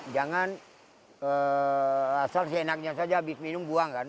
jangan asal seenaknya saja habis minum buang kan